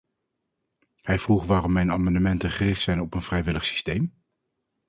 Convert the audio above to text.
Hij vroeg waarom mijn amendementen gericht zijn op een vrijwillig systeem.